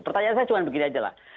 pertanyaan saya cuma begini aja lah